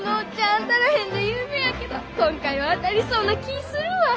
当たらへんで有名やけど今回は当たりそうな気ぃするわ！